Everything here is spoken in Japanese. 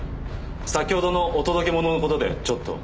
先ほどのお届け物の事でちょっと。